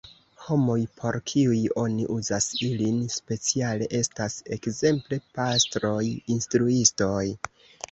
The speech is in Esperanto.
Homoj, por kiuj oni uzas ilin, speciale estas ekzemple pastroj, instruistoj.